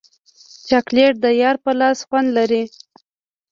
چاکلېټ د یار په لاس خوند لري.